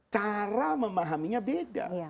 cara memahaminya beda